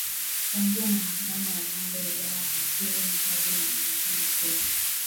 Kuanzia Mahakama ya Mwanzo Wilaya Hakimu Mkazi na Mahakama Kuu